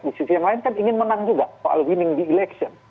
di sisi yang lain kan ingin menang juga soal winning di election